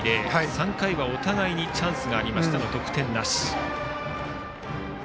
３回はお互いにチャンスがありましたが得点なし。